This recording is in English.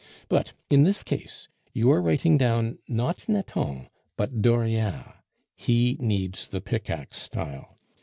But in this case you are writing down, not Nathan, but Dauriat; he needs the pickaxe style.